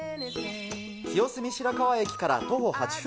清澄白河駅から徒歩８分。